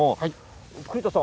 栗田さん